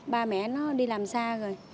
ba mẹ nó đi làm xa rồi